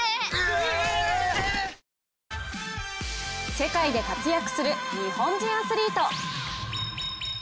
世界で活躍する日本人アスリート。